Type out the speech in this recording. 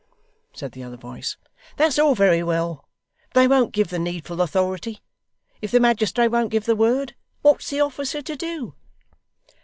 said the other voice. 'That's all very well, but they won't give the needful authority. If the magistrate won't give the word, what's the officer to do?